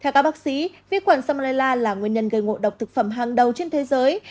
theo các bác sĩ vi khuẩn salmella là nguyên nhân gây ngộ độc thực phẩm hàng đầu trên thế giới